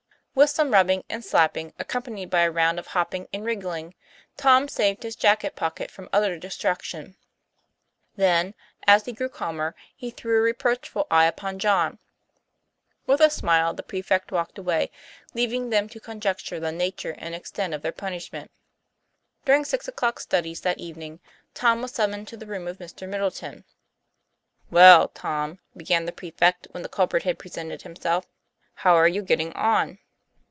With some rubbing and slapping accompanied by a round of hopping and wriggling Tom saved his jacket pocket from utter destruction; then as he grew calmer he threw a reproachful eye upon John. With a smile the prefect walked away, leaving them to conjecture the nature and extent of their punishment. During six o'clock studies that evening, Tom was summoned to the room of Mr. Middleton. 'Well, Tom," began the prefect when the culprit had presented himself, " how are you getting on